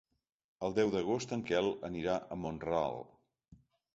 El deu d'agost en Quel anirà a Mont-ral.